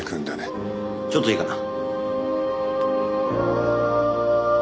ちょっといいかな？